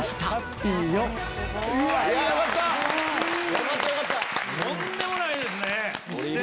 とんでもないですね。